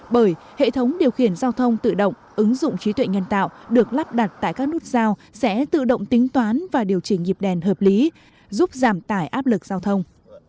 bởi hệ thống điều khiển giao thông tự động ứng dụng trí tuệ nhân tạo được lắp đặt tại các nút giao sẽ tự động tính toán và điều chỉnh nhịp đèn hợp lý giúp giảm tải áp lực giao thông